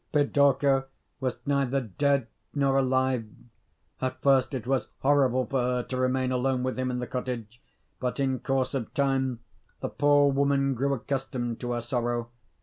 Pidorka was neither dead not alive. At first it was horrible for her to remain alone with him in the cottage; but, in course of time, the poor woman grew accustomed to her sorrow.